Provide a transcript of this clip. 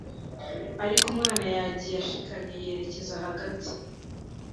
ariko umwana yagiye ashikamye yerekeza hagati